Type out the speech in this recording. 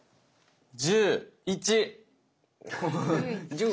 １１。